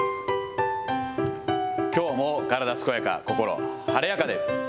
きょうも体健やか、心晴れやかで。